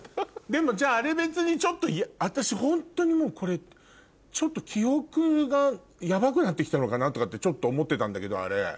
でもあれ別にちょっと私ホントにもうこれちょっと記憶がヤバくなって来たのかなとかってちょっと思ってたんだけどあれ。